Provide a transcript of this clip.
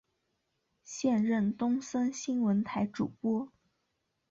现任东森新闻台主播。